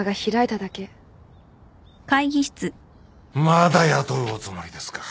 まだ雇うおつもりですか。